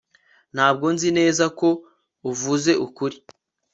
Ntabwo nzi neza ko uvuze ukuri